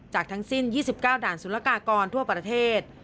จากทั้งสิ้น๒๙ด่านศูนย์ละกากรทั่วประเทศ